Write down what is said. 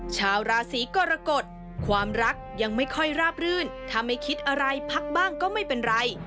ชาวราศีกรกฎความรักยังไม่ค่อยราบรื่นถ้าไม่คิดอะไรพักบ้างก็ไม่เป็นไร